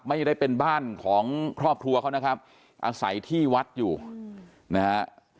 ไม่ได้เป็นบ้านของครอบครัวเขานะครับอาศัยที่วัดอยู่นะฮะ